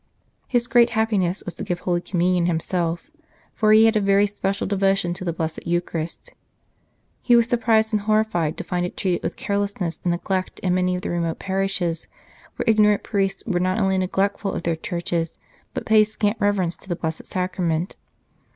His great happiness was to give Holy Com munion himself, for he had a very special devotion to the Blessed Eucharist. He was surprised and horrified to find it treated with carelessness and neglect in many of the remote parishes, where 94 The Famine of Milan ignorant priests were not only neglectful of their churches, but paid scant reverence to the Blessed Sacrament.